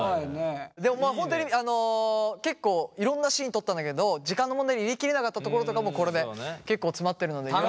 でもまあ本当に結構いろんなシーン撮ったんだけど時間の問題で入れ切れなかったところとかもこれで結構詰まってるので。